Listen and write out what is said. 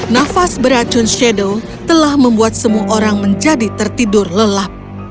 nafas beracun shadow telah membuat semua orang menjadi tertidur lelap